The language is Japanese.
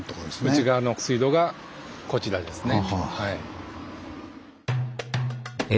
内側の水路がこちらですね。